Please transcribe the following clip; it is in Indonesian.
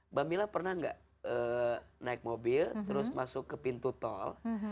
mbak mila pernah nggak naik mobil terus masuk ke pintu tol